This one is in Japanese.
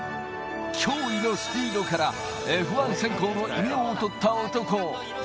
驚異のスピードからＦ１先行の異名を取った男。